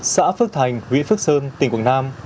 xã phước thành huyện phước sơn tỉnh quảng nam